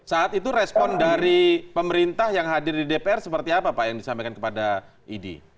saat itu respon dari pemerintah yang hadir di dpr seperti apa pak yang disampaikan kepada idi